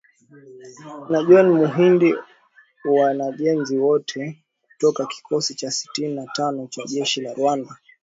Na John Muhindi Uwajeneza wote kutoka kikosi cha sitini na tano cha jeshi la Rwanda